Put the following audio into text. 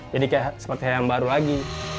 jadi kayak seperti helm baru lagi